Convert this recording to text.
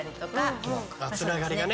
つながりがね。